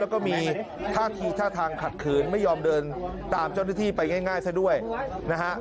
แล้วก็มีท่าทีท่าทางขัดขืนไม่ยอมเดินตามเจ้าหน้าที่ไปง่ายซะด้วยนะฮะ